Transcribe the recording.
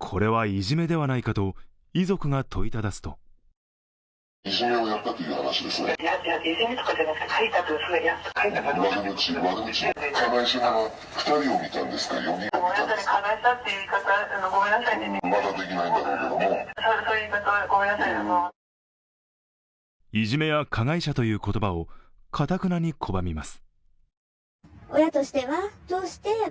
これはいじめではないかと遺族が問いただすといじめや加害者という言葉をかたくなに拒みます。